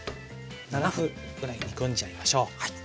７分ぐらい煮込んじゃいましょう。